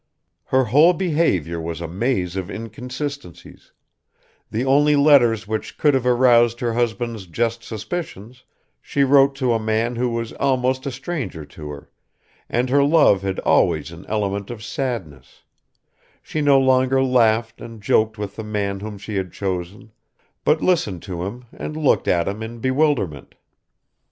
Her whole behavior was a maze of inconsistencies; the only letters which could have aroused her husband's just suspicions she wrote to a man who was almost a stranger to her, and her love had always an element of sadness; she no longer laughed and joked with the man whom she had chosen, but listened to him and looked at him in bewilderment.